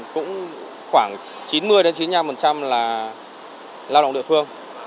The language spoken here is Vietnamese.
cũng khoảng chín mươi chín mươi năm là lao động địa phương